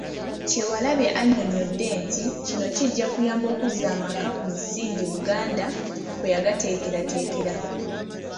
Kyewalabye annyonnyodde nti, kino kijja kuyamba okuzza amaka ku musingi Buganda kwe yagateekerateekera.